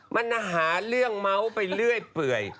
มันหาเรื่องเมาส์ไปเรื่อยเปื่อย